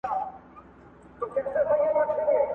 په افغانستان کي دېته ورته عمل